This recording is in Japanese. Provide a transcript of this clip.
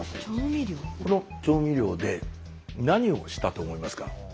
この調味料で何をしたと思いますか？